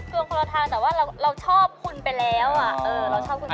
ดวงคนละทางแต่ว่าเราชอบคุณไปแล้วอะ